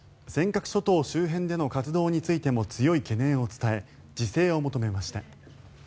尖閣諸島周辺での活動についても強い懸念を伝え自制を求めました。